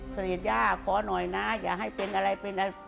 สนิทย่าขอหน่อยนะอย่าให้เป็นอะไรเป็นอะไร